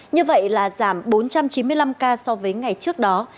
như vậy là giảm bốn trăm chín mươi năm ca so với ngày trước đó